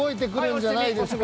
んじゃないですか？